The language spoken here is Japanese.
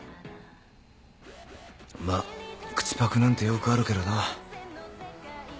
まっ口パクなんてよくあるけどな。